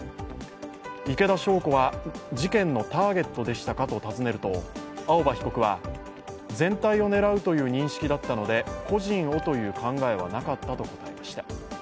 池田晶子は事件のターゲットでしたかと尋ねると青葉被告は、全体を狙うという認識だったので個人をという考えはなかったと答えました。